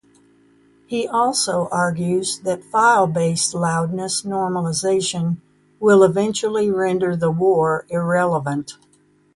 He also argues that file-based loudness normalization will eventually render the war irrelevant.